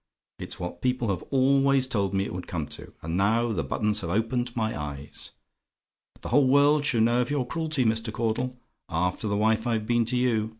It's what people have always told me it would come to, and now the buttons have opened my eyes! But the whole world shall know of your cruelty, Mr. Caudle. After the wife I've been to you.